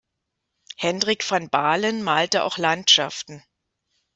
Hendrik van Balen malte auch Landschaften.